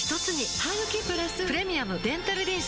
ハグキプラス「プレミアムデンタルリンス」